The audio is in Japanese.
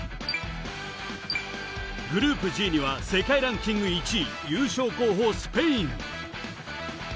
グループＧには世界ランキング１位、優勝候補スペイン。